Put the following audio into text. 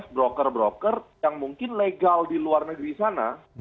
broker broker yang mungkin legal di luar negeri sana